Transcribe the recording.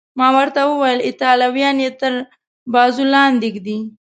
ما ورته وویل: ایټالویان یې تر بازو لاندې ږدي.